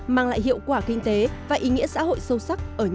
mang lại hiệu quả kinh tế và ý nghĩa xã hội sâu sắc ở nhiều lĩnh vực